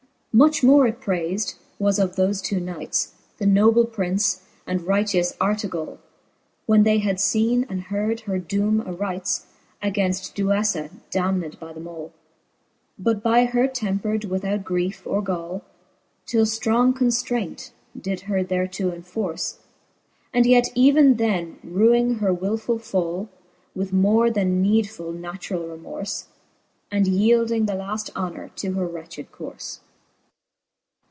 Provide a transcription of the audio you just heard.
IV. Much more it prayfed it was of thofe two knights j The noble Prince, and righteous Artegall, When they had feene and heard her doome a rights Againft Duejja^ damned by them all j But by her tempred without griefe or gall. Till ftrong conftraint did her thereto enforce. And yet even then ruing her wilful! fall, With more then needfuU naturall remorfe, And yeelding the laft honour to her wretched corfe.